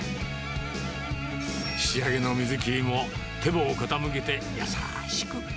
仕上げの水切りも、てぼを傾けて優しく。